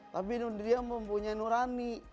tapi dia mempunyai nurani